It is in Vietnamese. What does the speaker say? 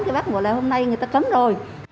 thì bác bảo là hôm nay người ta cấm rồi